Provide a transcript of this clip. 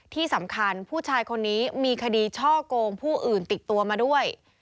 ที่สำคัญผู้ชายคนนี้มีคดีช่อกงผู้อื่นติดตัวมาด้วย